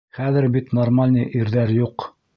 Хәҙер бит нормальный ирҙәр юҡ.